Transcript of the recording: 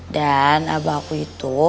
dan abah aku itu